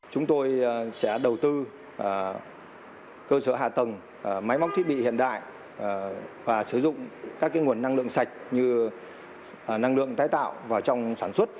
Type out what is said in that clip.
chúng tôi sẽ đầu tư cơ sở hạ tầng máy móc thiết bị hiện đại và sử dụng các nguồn năng lượng sạch như năng lượng tái tạo vào trong sản xuất